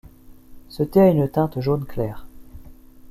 Ce thé a une teinte jaune clair.